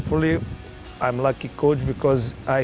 mungkin gue bakal jadi coach dengan hoki